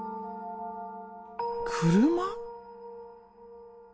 車？